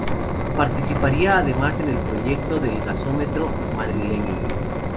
Participaría además en el proyecto del gasómetro madrileño.